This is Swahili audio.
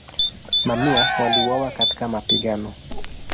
Mamia waliuawa katika mapigano.